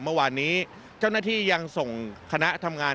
เมื่อวานนี้เจ้าหน้าที่ยังส่งคณะทำงาน